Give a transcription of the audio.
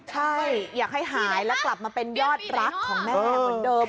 ใช่อยากให้หายแล้วกลับมาเป็นยอดรักของแม่เหมือนเดิม